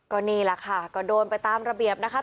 ก็นี่แหละค่ะก็โดนไปตามระเบียบนะคะ